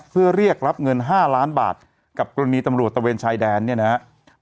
เพื่อเรียกรับเงิน๕ล้านบาทกับกรณีตำรวจตะเวนชายแดนเนี่ยนะครับ